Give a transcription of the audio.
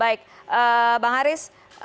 baik bang haris